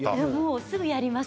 すぐやります。